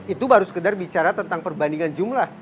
itu baru sekedar bicara tentang perbandingan jumlah